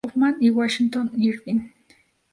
Hoffmann y Washington Irving.